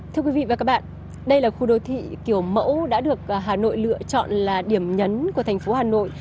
thưa quý vị và các bạn đây là khu đô thị kiểu mẫu đã được hà nội lựa chọn là điểm nhấn của thành phố hà nội